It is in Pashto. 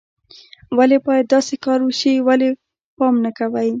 ولې باید داسې کار وشي، ولې پام نه کوئ